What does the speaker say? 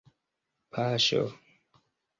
paŝo